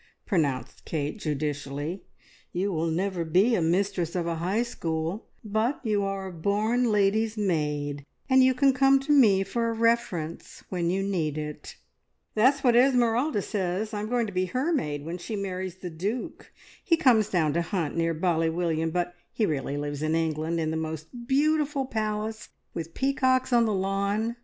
pronounced Kate judicially. "You will never be a mistress of a High School; but you are a born lady's maid, and you can come to me for a reference when you need it." "That's what Esmeralda says. I am going to be her maid when she marries the duke. He comes down to hunt near Bally William, but he really lives in England, in the most beautiful palace, with peacocks on the lawn.